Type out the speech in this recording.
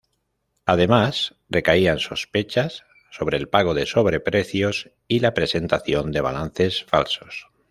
Además recaían sospechas sobre el pago de sobreprecios y la presentación de balances falsos.